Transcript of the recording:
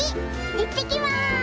いってきます！